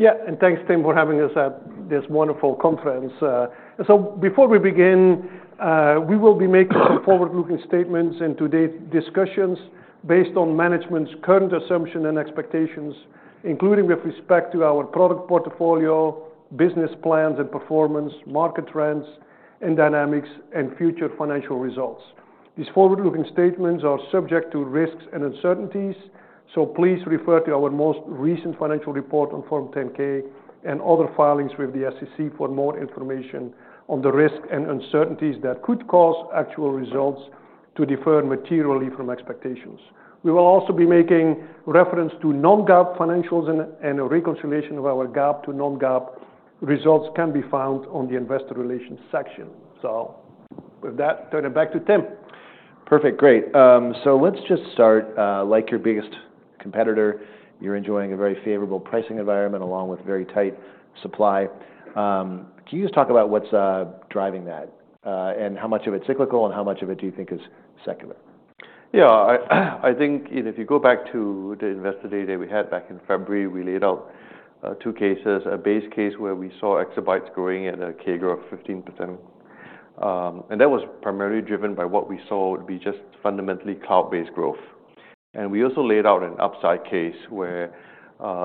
Yeah, and thanks, Tim, for having us at this wonderful conference. So before we begin, we will be making some forward-looking statements and today's discussions based on management's current assumptions and expectations, including with respect to our product portfolio, business plans and performance, market trends, and dynamics and future financial results. These forward-looking statements are subject to risks and uncertainties, so please refer to our most recent financial report on Form 10-K and other filings with the SEC for more information on the risks and uncertainties that could cause actual results to differ materially from expectations. We will also be making reference to non-GAAP financials and reconciliation of our GAAP to non-GAAP results can be found on the investor relations section. So with that, turning it back to Tim. Perfect, great. So let's just start, like your biggest competitor, you're enjoying a very favorable pricing environment along with very tight supply. Can you just talk about what's driving that, and how much of it's cyclical and how much of it do you think is secular? Yeah, I think, you know, if you go back to the investor day that we had back in February, we laid out two cases, a base case where we saw exabytes growing at a CAGR of 15%, and that was primarily driven by what we saw would be just fundamentally cloud-based growth. And we also laid out an upside case where,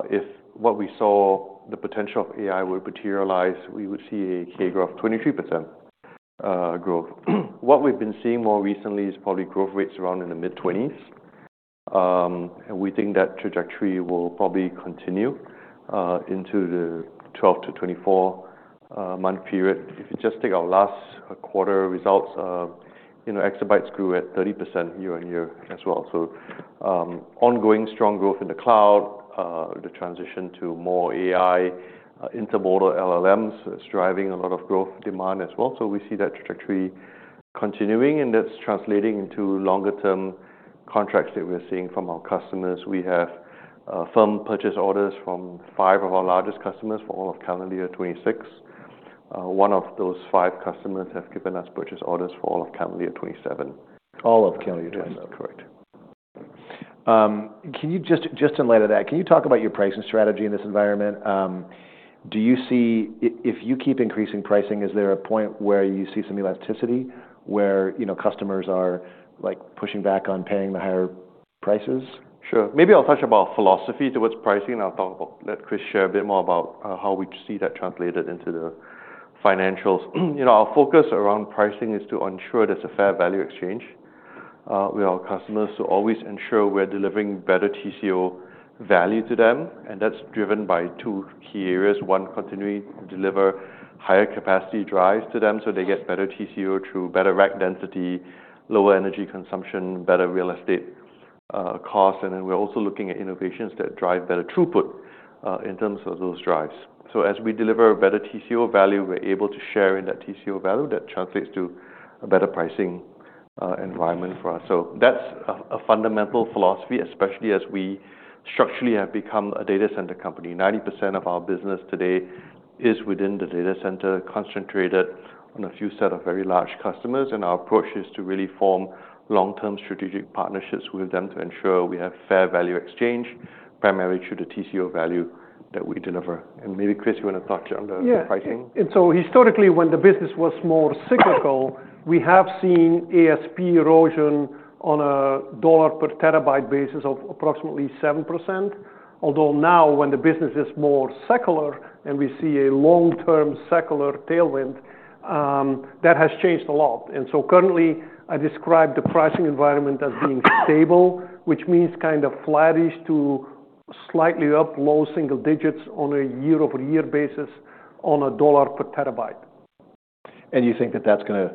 if what we saw, the potential of AI would materialize, we would see a CAGR of 23% growth. What we've been seeing more recently is probably growth rates around in the mid-20s%, and we think that trajectory will probably continue into the 12- to 24-month period. If you just take our last quarter results, you know, exabytes grew at 30% year-on-year as well. So, ongoing strong growth in the cloud, the transition to more AI, enterprise LLMs is driving a lot of growth demand as well. So we see that trajectory continuing, and that's translating into longer-term contracts that we're seeing from our customers. We have firm purchase orders from five of our largest customers for all of calendar year 2026. One of those five customers has given us purchase orders for all of calendar year 2027. All of calendar year 2027. Correct. Can you just, in light of that, talk about your pricing strategy in this environment? Do you see if you keep increasing pricing, is there a point where you see some elasticity where, you know, customers are, like, pushing back on paying the higher prices? Sure. Maybe I'll touch about philosophy towards pricing. I'll talk about, let Kris share a bit more about, how we see that translated into the financials. You know, our focus around pricing is to ensure there's a fair value exchange, with our customers, to always ensure we're delivering better TCO value to them. And that's driven by two key areas. One, continuing to deliver higher capacity drives to them so they get better TCO through better rack density, lower energy consumption, better real estate, cost. And then we're also looking at innovations that drive better throughput, in terms of those drives. So as we deliver better TCO value, we're able to share in that TCO value that translates to a better pricing, environment for us. So that's a fundamental philosophy, especially as we structurally have become a data center company. 90% of our business today is within the data center, concentrated on a few set of very large customers. And our approach is to really form long-term strategic partnerships with them to ensure we have fair value exchange, primarily through the TCO value that we deliver. And maybe, Kris, you wanna touch on the pricing? Yeah. And so historically, when the business was more cyclical, we have seen ASP erosion on a dollar per terabyte basis of approximately 7%. Although now, when the business is more secular and we see a long-term secular tailwind, that has changed a lot. And so currently, I describe the pricing environment as being stable, which means kind of flattish to slightly up, low single digits on a year-over-year basis on a dollar per terabyte. And you think that that's gonna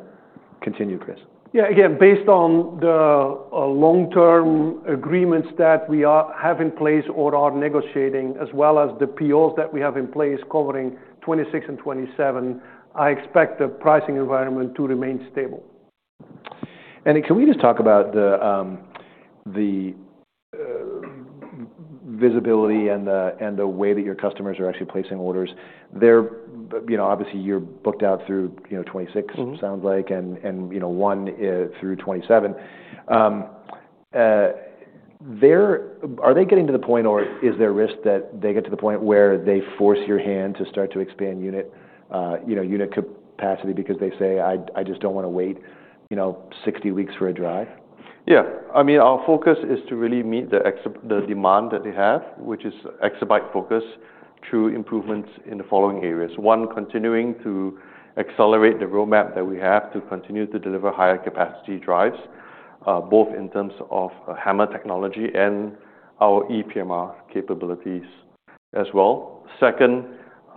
continue, Kris? Yeah, again, based on the long-term agreements that we have in place or are negotiating, as well as the POs that we have in place covering 2026 and 2027, I expect the pricing environment to remain stable. Can we just talk about the visibility and the way that your customers are actually placing orders? They're, you know, obviously, you're booked out through, you know, 2026, sounds like, and you know, one through 2027. Are they getting to the point, or is there risk that they get to the point where they force your hand to start to expand unit, you know, unit capacity because they say, "I just don't wanna wait, you know, 60 weeks for a drive"? Yeah. I mean, our focus is to really meet the exabyte demand that they have, which is exabyte focus through improvements in the following areas. One, continuing to accelerate the roadmap that we have to continue to deliver higher capacity drives, both in terms of HAMR technology and our ePMR capabilities as well. Second,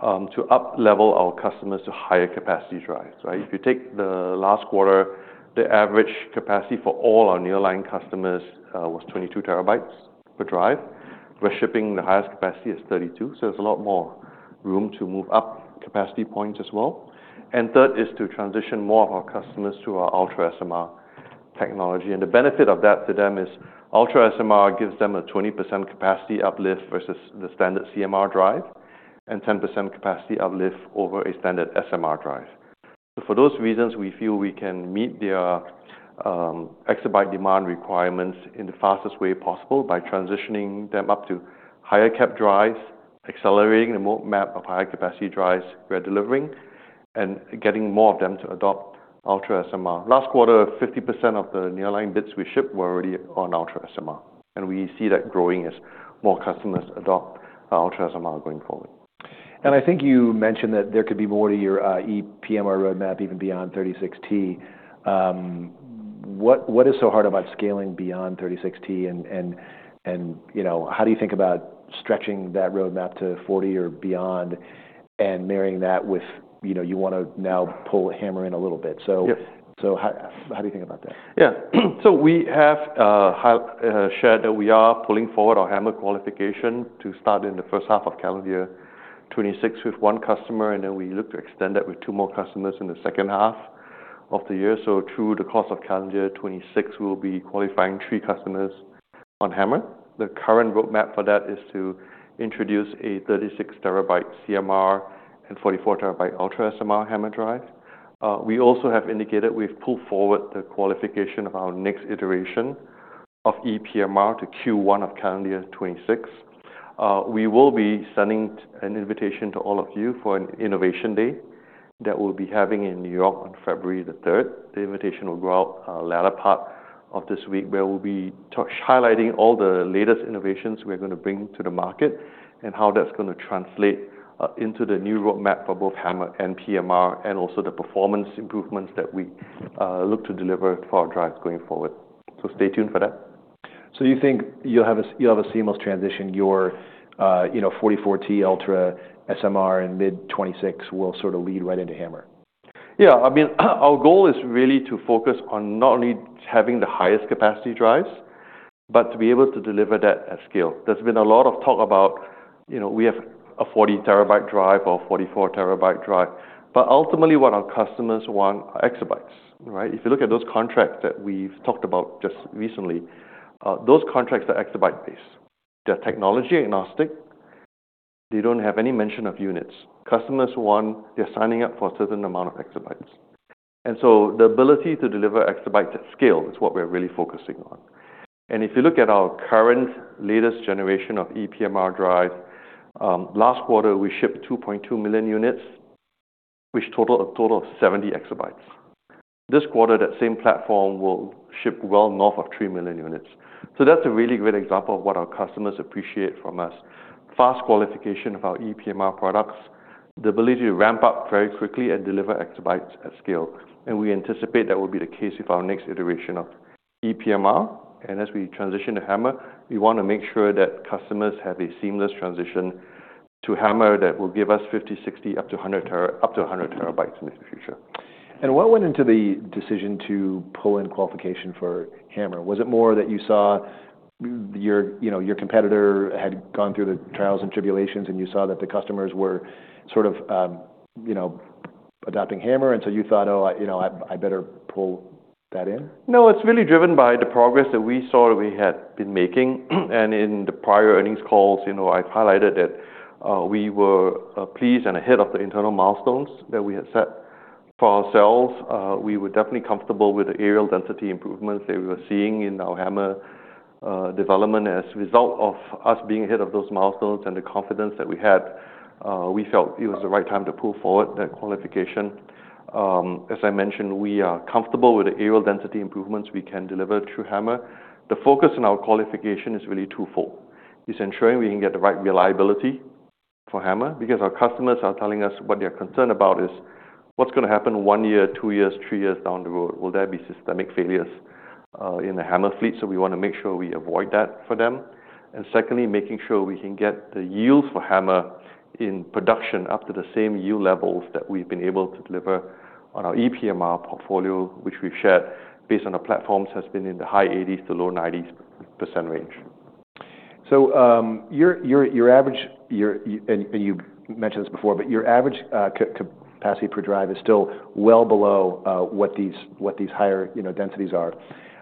to up-level our customers to higher capacity drives, right? If you take the last quarter, the average capacity for all our nearline customers was 22 terabytes per drive. We're shipping the highest capacity as 32, so there's a lot more room to move up capacity points as well. And third is to transition more of our customers to our Ultra SMR technology. And the benefit of that to them is Ultra SMR gives them a 20% capacity uplift versus the standard CMR drive and 10% capacity uplift over a standard SMR drive. So for those reasons, we feel we can meet their exabyte demand requirements in the fastest way possible by transitioning them up to higher cap drives, accelerating the roadmap of higher capacity drives we're delivering, and getting more of them to adopt Ultra SMR. Last quarter, 50% of the nearline bits we shipped were already on Ultra SMR. And we see that growing as more customers adopt Ultra SMR going forward. And I think you mentioned that there could be more to your ePMR roadmap even beyond 36T. What is so hard about scaling beyond 36T and you know, how do you think about stretching that roadmap to 40 or beyond and marrying that with, you know, you wanna now pull a HAMR in a little bit? So. Yes. So how do you think about that? Yeah. So we have shared that we are pulling forward our HAMR qualification to start in the first half of calendar year 2026 with one customer, and then we look to extend that with two more customers in the second half of the year. So through the course of calendar year 2026, we'll be qualifying three customers on HAMR. The current roadmap for that is to introduce a 36-terabyte CMR and 44-terabyte Ultra SMR HAMR drive. We also have indicated we've pulled forward the qualification of our next iteration of ePMR to Q1 of calendar year 2026. We will be sending an invitation to all of you for an innovation day that we'll be having in New York on February the 3rd. The invitation will go out latter part of this week, where we'll be in touch highlighting all the latest innovations we're gonna bring to the market and how that's gonna translate into the new roadmap for both HAMR and ePMR and also the performance improvements that we look to deliver for our drives going forward. So stay tuned for that. So you think you'll have a seamless transition. Your, you know, 44T Ultra SMR in mid 2026 will sort of lead right into HAMR. Yeah. I mean, our goal is really to focus on not only having the highest capacity drives, but to be able to deliver that at scale. There's been a lot of talk about, you know, we have a 40-terabyte drive or 44-terabyte drive, but ultimately what our customers want are exabytes, right? If you look at those contracts that we've talked about just recently, those contracts are exabyte-based. They're technology agnostic. They don't have any mention of units. Customers want. They're signing up for a certain amount of exabytes. And so the ability to deliver exabytes at scale is what we're really focusing on. And if you look at our current latest generation of ePMR drives, last quarter, we shipped 2.2 million units, which total a total of 70 exabytes. This quarter, that same platform will ship well north of 3 million units. So that's a really great example of what our customers appreciate from us: fast qualification of our ePMR products, the ability to ramp up very quickly and deliver exabytes at scale. And we anticipate that will be the case with our next iteration of ePMR. And as we transition to HAMR, we wanna make sure that customers have a seamless transition to HAMR that will give us 50, 60, up to 100 terabytes, up to 100 terabytes in the future. What went into the decision to pull in qualification for HAMR? Was it more that you saw your, you know, your competitor had gone through the trials and tribulations and you saw that the customers were sort of, you know, adopting HAMR, and so you thought, "Oh, I, you know, I, I better pull that in"? No, it's really driven by the progress that we saw that we had been making. And in the prior earnings calls, you know, I've highlighted that, we were pleased and ahead of the internal milestones that we had set for ourselves. We were definitely comfortable with the areal density improvements that we were seeing in our HAMR development. As a result of us being ahead of those milestones and the confidence that we had, we felt it was the right time to pull forward that qualification. As I mentioned, we are comfortable with the areal density improvements we can deliver through HAMR. The focus in our qualification is really twofold. It's ensuring we can get the right reliability for HAMR because our customers are telling us what they're concerned about is what's gonna happen one year, two years, three years down the road. Will there be systemic failures in the HAMR fleet? So we want to make sure we avoid that for them. And secondly, making sure we can get the yields for HAMR in production up to the same yield levels that we've been able to deliver on our ePMR portfolio, which we've shared based on our platforms, has been in the high 80s to low 90s% range. So, your average capacity per drive is still well below what these higher densities are.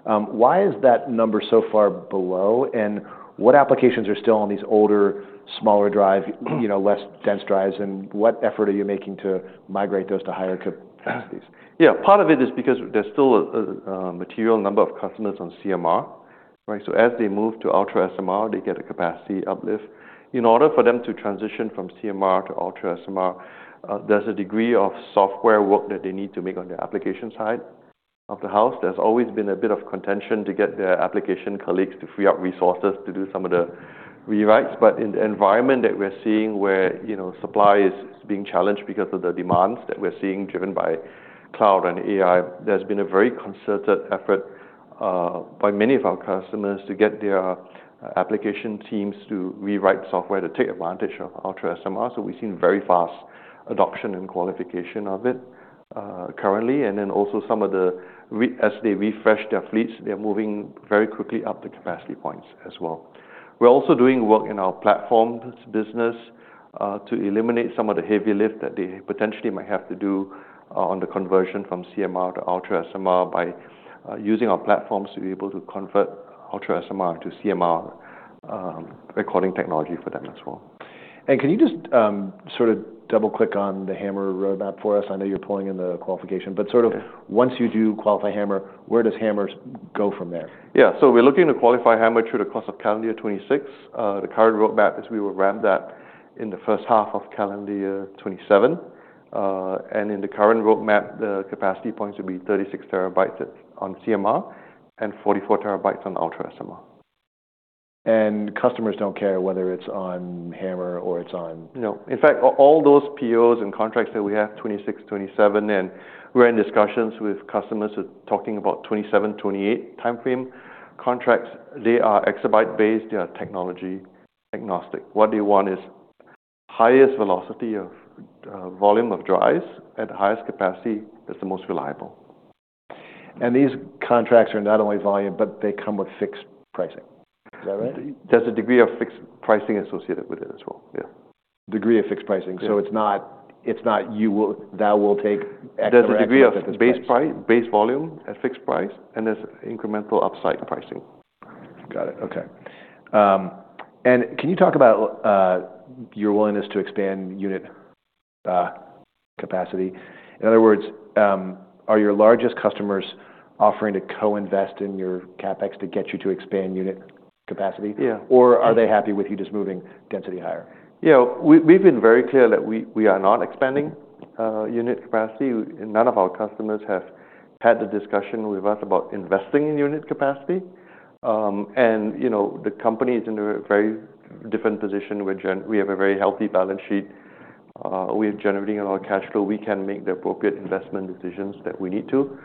Why is that number so far below, and what applications are still on these older, smaller drives, you know, less dense drives, and what effort are you making to migrate those to higher capacities? Yeah. Part of it is because there's still a material number of customers on CMR, right? So as they move to Ultra SMR, they get a capacity uplift. In order for them to transition from CMR to Ultra SMR, there's a degree of software work that they need to make on the application side of the house. There's always been a bit of contention to get their application colleagues to free up resources to do some of the rewrites. But in the environment that we're seeing where, you know, supply is being challenged because of the demands that we're seeing driven by cloud and AI, there's been a very concerted effort by many of our customers to get their application teams to rewrite software to take advantage of Ultra SMR. So we've seen very fast adoption and qualification of it, currently. And then also some of the, as they refresh their fleets, they're moving very quickly up the capacity points as well. We're also doing work in our platforms business, to eliminate some of the heavy lift that they potentially might have to do, on the conversion from CMR to Ultra SMR by using our platforms to be able to convert Ultra SMR to CMR recording technology for them as well. Can you just, sort of double-click on the HAMR roadmap for us? I know you're pulling in the qualification, but sort of once you do qualify HAMR, where does HAMR go from there? Yeah. So we're looking to qualify HAMR through the course of calendar year 2026. The current roadmap is we will ramp that in the first half of calendar year 2027, and in the current roadmap, the capacity points will be 36 terabytes on CMR and 44 terabytes on Ultra SMR. Customers don't care whether it's on HAMR or it's on? No. In fact, all those POs and contracts that we have 2026, 2027, and we're in discussions with customers who are talking about 2027, 2028 timeframe contracts. They are exabyte-based. They are technology agnostic. What they want is highest velocity of, volume of drives at the highest capacity that's the most reliable. And these contracts are not only volume, but they come with fixed pricing. Is that right? There's a degree of fixed pricing associated with it as well. Yeah. Degree of fixed pricing. So it's not, it's not you will, that will take exabyte-. There's a degree of base price, base volume at fixed price, and there's incremental upside pricing. Got it. Okay, and can you talk about your willingness to expand unit capacity? In other words, are your largest customers offering to co-invest in your CapEx to get you to expand unit capacity? Yeah. Or are they happy with you just moving density higher? Yeah. We've been very clear that we are not expanding unit capacity. None of our customers have had the discussion with us about investing in unit capacity, and you know, the company is in a very different position. We have a very healthy balance sheet. We are generating a lot of cash flow. We can make the appropriate investment decisions that we need to.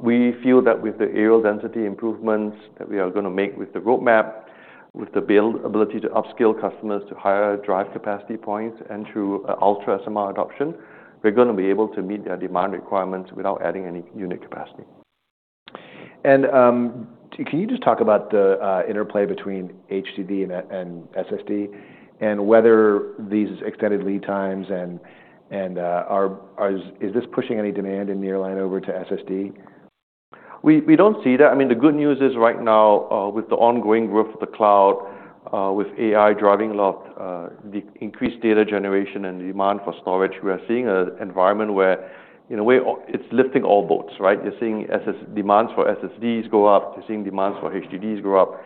We feel that with the areal density improvements that we are gonna make with the roadmap, with the ability to upscale customers to higher drive capacity points and through Ultra SMR adoption, we're gonna be able to meet their demand requirements without adding any unit capacity. Can you just talk about the interplay between HDD and SSD and whether these extended lead times are pushing any demand in nearline over to SSD? We don't see that. I mean, the good news is right now, with the ongoing growth of the cloud, with AI driving a lot, the increased data generation and the demand for storage, we are seeing an environment where, you know, we're all, it's lifting all boats, right? You're seeing SSD demands for SSDs go up. You're seeing demands for HDDs go up.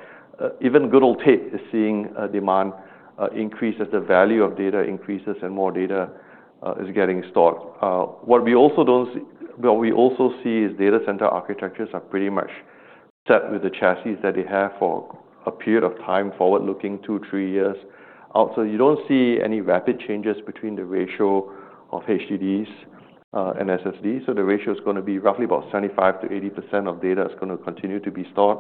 Even good old tape is seeing demand increase as the value of data increases and more data is getting stored. What we also see is data center architectures are pretty much set with the chassis that they have for a period of time forward-looking, two, three years. So you don't see any rapid changes between the ratio of HDDs and SSDs. The ratio's gonna be roughly about 75%-80% of data is gonna continue to be stored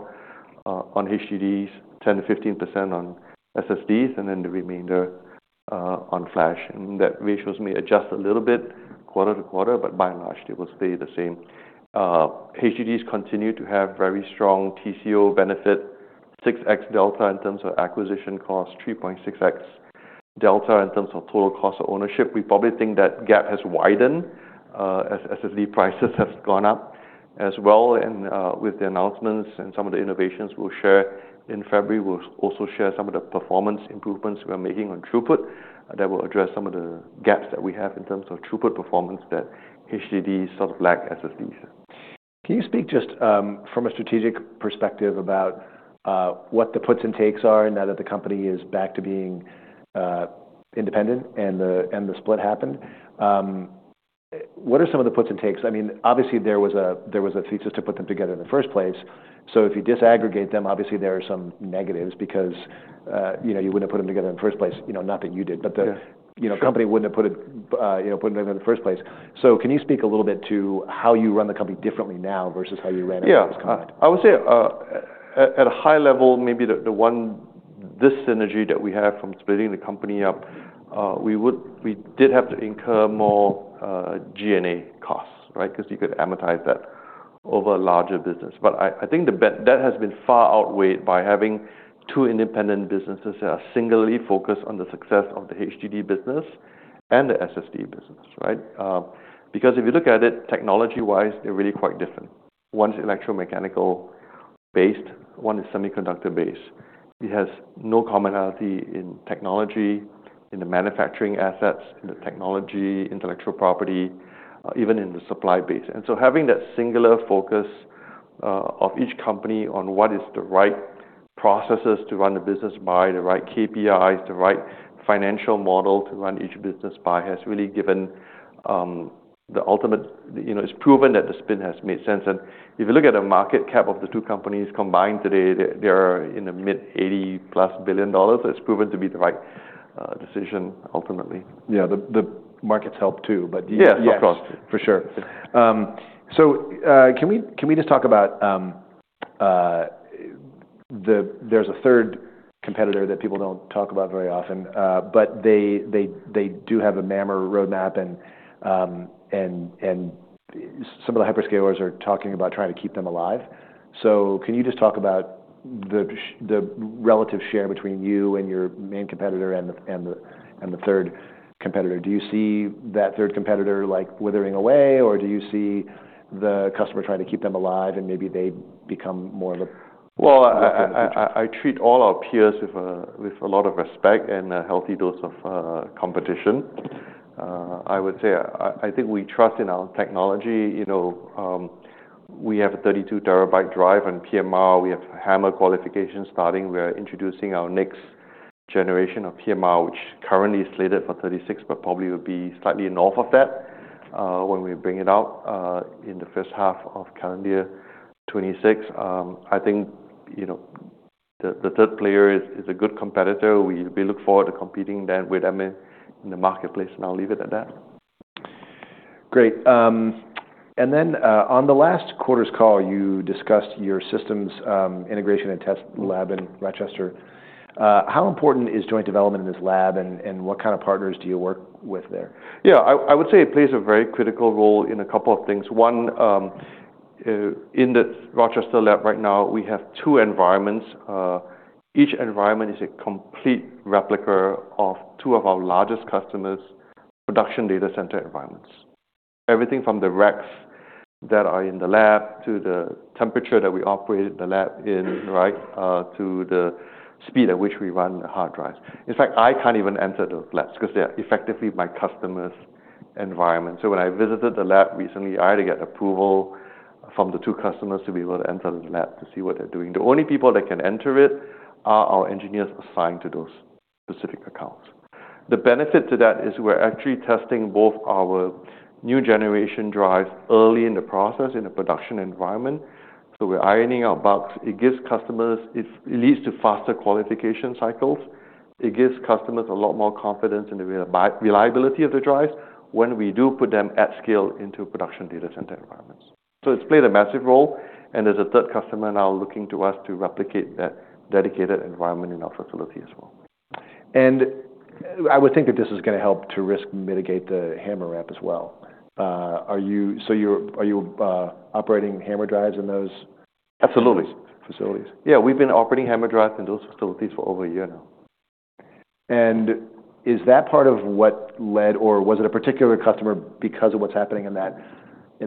on HDDs, 10%-15% on SSDs, and then the remainder on flash. That ratios may adjust a little bit quarter to quarter, but by and large, they will stay the same. HDDs continue to have very strong TCO benefit, 6x delta in terms of acquisition cost, 3.6x delta in terms of total cost of ownership. We probably think that gap has widened, as SSD prices have gone up as well. With the announcements and some of the innovations we'll share in February, we'll also share some of the performance improvements we're making on throughput that will address some of the gaps that we have in terms of throughput performance that HDDs sort of lack SSDs. Can you speak just from a strategic perspective about what the puts and takes are now that the company is back to being independent and the split happened? What are some of the puts and takes? I mean, obviously there was a thesis to put them together in the first place. So if you disaggregate them, obviously there are some negatives because, you know, you wouldn't have put them together in the first place. You know, not that you did, but the company wouldn't have put it in the first place. So can you speak a little bit to how you run the company differently now versus how you ran it in the past? Yeah. I would say at a high level, maybe this synergy that we have from splitting the company up. We did have to incur more G&A costs, right? 'Cause you could amortize that over a larger business. But I think the bet that has been far outweighed by having two independent businesses that are singly focused on the success of the HDD business and the SSD business, right? Because if you look at it technology-wise, they're really quite different. One's electromechanical-based. One is semiconductor-based. It has no commonality in technology, in the manufacturing assets, in the technology, intellectual property, even in the supply base. And so, having that singular focus of each company on what is the right processes to run the business by, the right KPIs, the right financial model to run each business by, has really given the ultimate, you know, it's proven that the spin has made sense. And if you look at the market cap of the two companies combined today, they're in the mid-$80-plus billion. It's proven to be the right decision ultimately. Yeah. The markets help too, but you've lost. Yeah. Of course. For sure. So, can we just talk about, the, there's a third competitor that people don't talk about very often, but they do have a MAMR roadmap and some of the hyperscalers are talking about trying to keep them alive. So can you just talk about the relative share between you and your main competitor and the third competitor? Do you see that third competitor like withering away, or do you see the customer trying to keep them alive and maybe they become more of a? I treat all our peers with a lot of respect and a healthy dose of competition. I would say, I think we trust in our technology. You know, we have a 32-terabyte drive on PMR. We have HAMR qualification starting. We are introducing our next generation of PMR, which currently is slated for 36, but probably will be slightly north of that, when we bring it out, in the first half of calendar year 2026. I think, you know, the third player is a good competitor. We look forward to competing then with them in the marketplace. And I'll leave it at that. Great. And then, on the last quarter's call, you discussed your systems integration and test lab in Rochester. How important is joint development in this lab and, and what kind of partners do you work with there? Yeah. I, I would say it plays a very critical role in a couple of things. One, in the Rochester lab right now, we have two environments. Each environment is a complete replica of two of our largest customers' production data center environments. Everything from the racks that are in the lab to the temperature that we operate the lab in, right, to the speed at which we run the hard drives. In fact, I can't even enter those labs 'cause they're effectively my customer's environment. So when I visited the lab recently, I had to get approval from the two customers to be able to enter the lab to see what they're doing. The only people that can enter it are our engineers assigned to those specific accounts. The benefit to that is we're actually testing both our new generation drives early in the process in a production environment. So we're ironing out bugs. It gives customers, it leads to faster qualification cycles. It gives customers a lot more confidence in the reliability of the drives when we do put them at scale into production data center environments. So it's played a massive role. And there's a third customer now looking to us to replicate that dedicated environment in our facility as well. I would think that this is gonna help to risk mitigate the HAMR ramp as well. Are you operating HAMR drives in those facilities? Absolutely. Yeah. We've been operating HAMR drives in those facilities for over a year now. Is that part of what led, or was it a particular customer because of what's happening in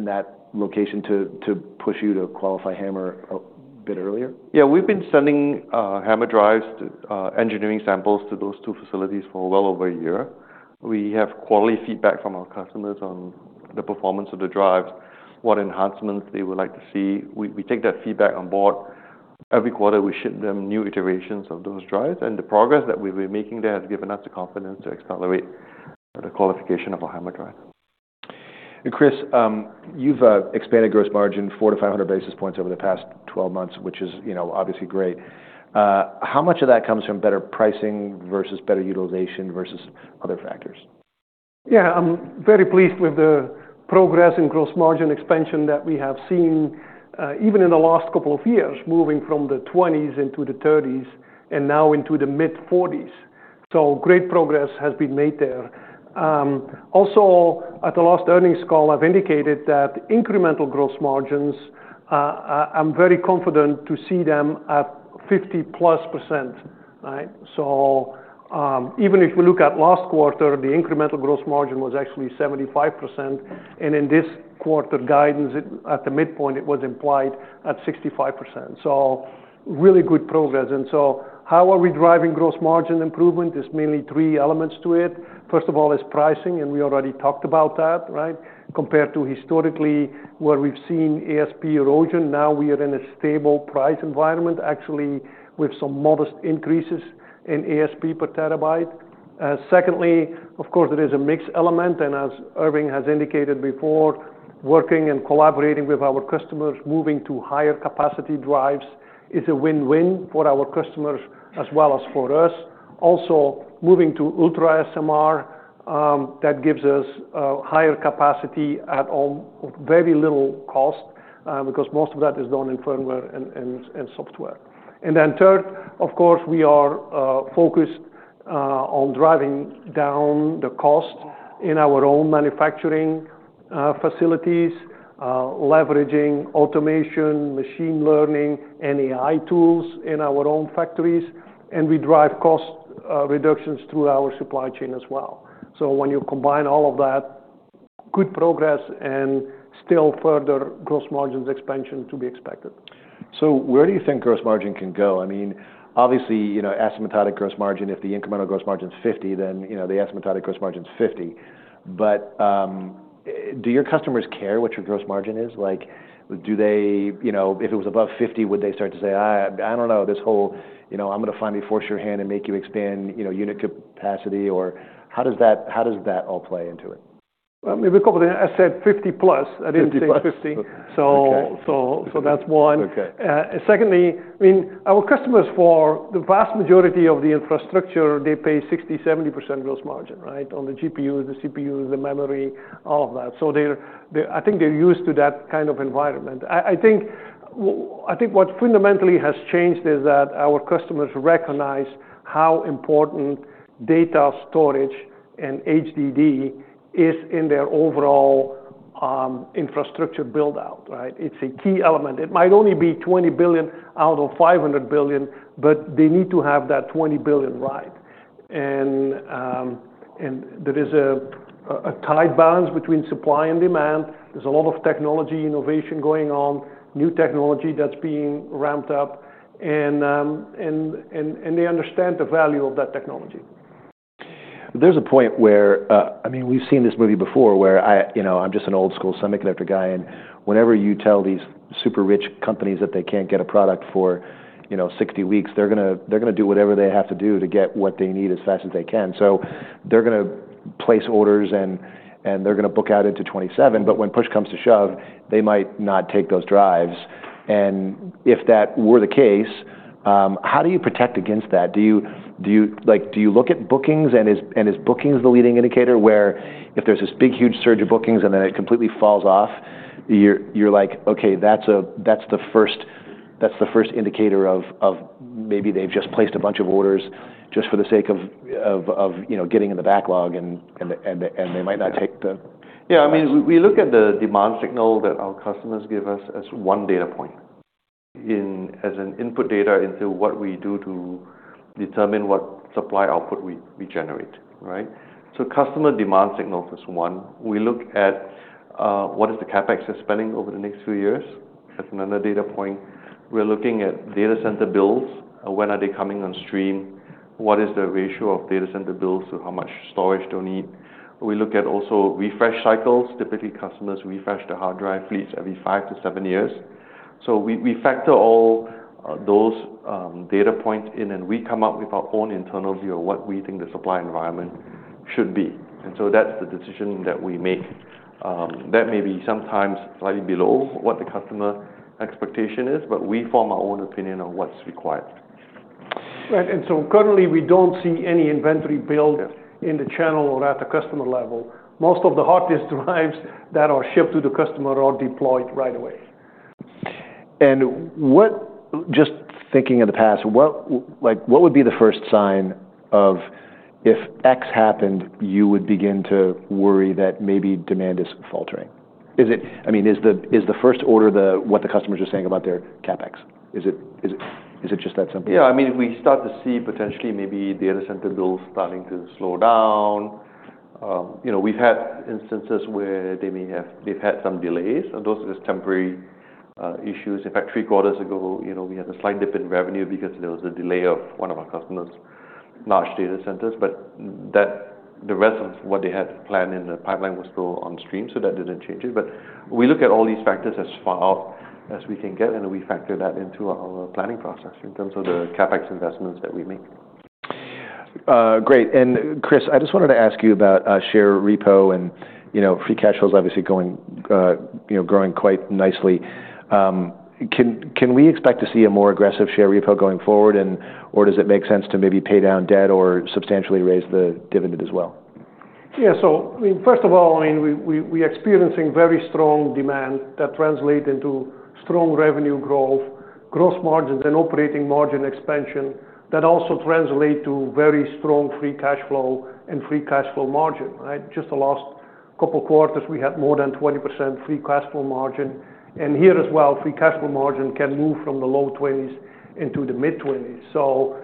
that location to push you to qualify HAMR a bit earlier? Yeah. We've been sending HAMR drives, engineering samples, to those two facilities for well over a year. We have quality feedback from our customers on the performance of the drives, what enhancements they would like to see. We take that feedback on board. Every quarter, we ship them new iterations of those drives. And the progress that we've been making there has given us the confidence to accelerate the qualification of our HAMR drives. Kris, you've expanded gross margin 400-500 basis points over the past 12 months, which is, you know, obviously great. How much of that comes from better pricing versus better utilization versus other factors? Yeah. I'm very pleased with the progress in gross margin expansion that we have seen, even in the last couple of years, moving from the 20s into the 30s and now into the mid-40s. So great progress has been made there. Also at the last earnings call, I've indicated that incremental gross margins, I'm very confident to see them at 50-plus%, right? So, even if we look at last quarter, the incremental gross margin was actually 75%. And in this quarter guidance, at the midpoint, it was implied at 65%. So really good progress. And so how are we driving gross margin improvement? There's mainly three elements to it. First of all, it's pricing, and we already talked about that, right? Compared to historically where we've seen ASP erosion, now we are in a stable price environment, actually with some modest increases in ASP per terabyte. Secondly, of course, there is a mixed element. And as Irving has indicated before, working and collaborating with our customers, moving to higher capacity drives is a win-win for our customers as well as for us. Also, moving to Ultra SMR, that gives us higher capacity at a very little cost, because most of that is done in firmware and software. And then third, of course, we are focused on driving down the cost in our own manufacturing facilities, leveraging automation, machine learning, and AI tools in our own factories. And we drive cost reductions through our supply chain as well. So when you combine all of that, good progress and still further gross margins expansion to be expected. So where do you think gross margin can go? I mean, obviously, you know, asymptotic gross margin, if the incremental gross margin's 50%, then, you know, the asymptotic gross margin's 50%. But, do your customers care what your gross margin is? Like, do they, you know, if it was above 50%, would they start to say, I don't know, this whole, you know, I'm gonna finally force your hand and make you expand, you know, unit capacity? Or how does that, how does that all play into it? Maybe a couple of things. I said 50-plus. I didn't say 50. 50-plus. Okay. That's one. Secondly, I mean, our customers for the vast majority of the infrastructure, they pay 60%-70% gross margin, right, on the GPUs, the CPUs, the memory, all of that. So they're, I think, used to that kind of environment. I think what fundamentally has changed is that our customers recognize how important data storage and HDD is in their overall infrastructure buildout, right? It's a key element. It might only be $20 billion out of $500 billion, but they need to have that $20 billion right. And there is a tight balance between supply and demand. There's a lot of technology innovation going on, new technology that's being ramped up. And they understand the value of that technology. There's a point where, I mean, we've seen this movie before where I, you know, I'm just an old-school semiconductor guy. And whenever you tell these super rich companies that they can't get a product for, you know, 60 weeks, they're gonna do whatever they have to do to get what they need as fast as they can. So they're gonna place orders and they're gonna book out into 2027. But when push comes to shove, they might not take those drives. And if that were the case, how do you protect against that? Do you, like, look at bookings? And is bookings the leading indicator where if there's this big, huge surge of bookings and then it completely falls off, you're like, "Okay, that's the first indicator of maybe they've just placed a bunch of orders just for the sake of, you know, getting in the backlog and they might not take the? Yeah. I mean, we look at the demand signal that our customers give us as one data point as an input data into what we do to determine what supply output we generate, right? So customer demand signal is one. We look at what is the CapEx they're spending over the next few years as another data point. We're looking at data center builds. When are they coming on stream? What is the ratio of data center builds to how much storage they'll need? We look at also refresh cycles. Typically, customers refresh the hard drive fleets every five to seven years. So we factor all those data points in, and we come up with our own internal view of what we think the supply environment should be. And so that's the decision that we make. that may be sometimes slightly below what the customer expectation is, but we form our own opinion on what's required. Right. And so currently, we don't see any inventory build in the channel or at the customer level. Most of the hard disk drives that are shipped to the customer are deployed right away. And what, just thinking in the past, like, what would be the first sign if X happened, you would begin to worry that maybe demand is faltering? Is it, I mean, the first order what the customers are saying about their CapEx? Is it just that simple? Yeah. I mean, we start to see potentially maybe data center builds starting to slow down. You know, we've had instances where they may have, they've had some delays, and those are just temporary issues. In fact, three quarters ago, you know, we had a slight dip in revenue because there was a delay of one of our customers' large data centers. But that, the rest of what they had planned in the pipeline was still on stream, so that didn't change it. But we look at all these factors as far out as we can get, and we factor that into our planning process in terms of the CapEx investments that we make. Great. And Kris, I just wanted to ask you about share repurchase and, you know, free cash flows obviously going, you know, growing quite nicely. Can we expect to see a more aggressive share repurchase going forward? And/or does it make sense to maybe pay down debt or substantially raise the dividend as well? Yeah. So I mean, first of all, we're experiencing very strong demand that translates into strong revenue growth, gross margins, and operating margin expansion that also translates to very strong free cash flow and free cash flow margin, right? Just the last couple of quarters, we had more than 20% free cash flow margin. And here as well, free cash flow margin can move from the low 20s into the mid 20s. So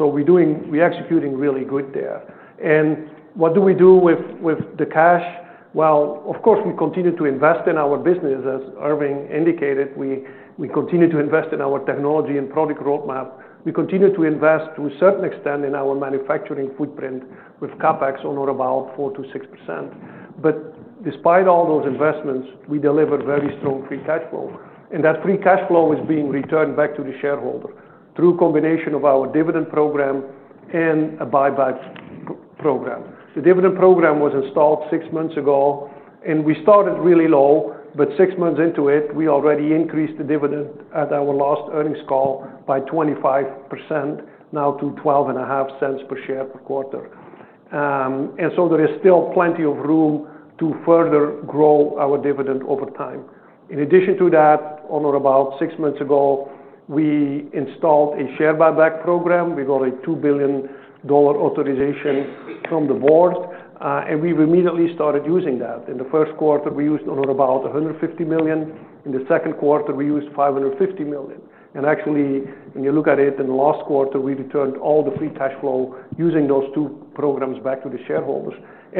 we're executing really good there. And what do we do with the cash? Well, of course, we continue to invest in our business, as Irving indicated. We continue to invest in our technology and product roadmap. We continue to invest to a certain extent in our manufacturing footprint with CapEx on or about 4%-6%. But despite all those investments, we deliver very strong free cash flow. And that free cash flow is being returned back to the shareholder through a combination of our dividend program and a buyback program. The dividend program was installed six months ago, and we started really low. But six months into it, we already increased the dividend at our last earnings call by 25%, now to $0.125 per share per quarter. And so there is still plenty of room to further grow our dividend over time. In addition to that, on or about six months ago, we installed a share buyback program. We got a $2 billion authorization from the board. And we immediately started using that. In the first quarter, we used on or about $150 million. In the second quarter, we used $550 million. Actually, when you look at it in the last quarter, we returned all the free cash flow using those two programs back to the shareholders.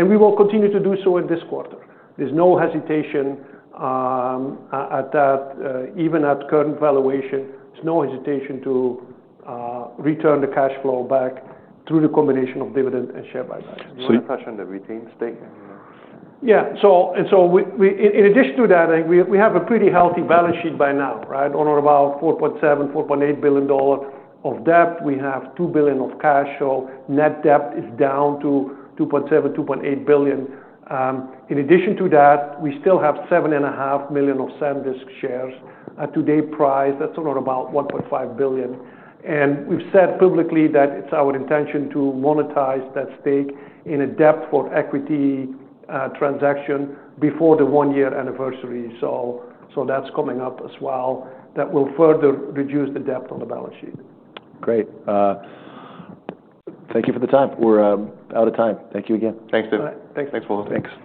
We will continue to do so in this quarter. There's no hesitation at that, even at current valuation. There's no hesitation to return the cash flow back through the combination of dividend and share buyback. So. You want to touch on the retained stake and, you know. Yeah. So, in addition to that, I think we have a pretty healthy balance sheet by now, right? On or about $4.7-$4.8 billion of debt. We have $2 billion of cash. So net debt is down to $2.7-$2.8 billion. In addition to that, we still have 7.5 million of SanDisk shares at today's price. That's on or about $1.5 billion. And we've said publicly that it's our intention to monetize that stake in a debt-for-equity transaction before the one-year anniversary. So that's coming up as well. That will further reduce the debt on the balance sheet. Great. Thank you for the time. We're out of time. Thank you again. Thanks, Tim. All right. Thanks. Thanks.